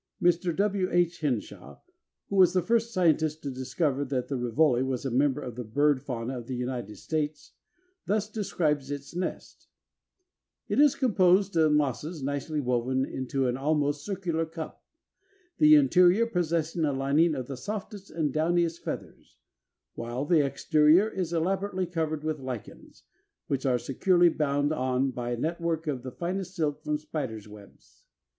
Mr. H. W. Henshaw, who was the first scientist to discover that the Rivoli was a member of the bird fauna of the United States, thus describes its nest: "It is composed of mosses nicely woven into an almost circular cup, the interior possessing a lining of the softest and downiest feathers, while the exterior is elaborately covered with lichens, which are securely bound on by a network of the finest silk from spiders' webs.